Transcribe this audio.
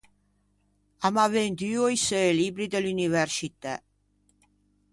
A m’à venduo i seu libbri de l’universcitæ.